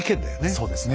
そうですね。